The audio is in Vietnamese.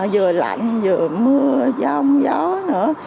vừa lạnh vừa mưa gió nữa